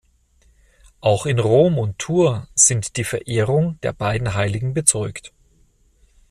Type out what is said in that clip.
Auch in Rom und Tours ist die Verehrung der beiden Heiligen bezeugt.